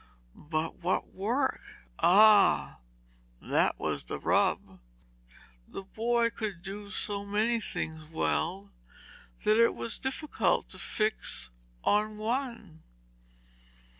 But what work? Ah! that was the rub. The boy could do so many things well that it was difficult to fix on one.